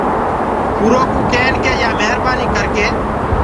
اورو ڪوُ ڪين ڪي يآ مهربآنيٚ ڪر ڪي۔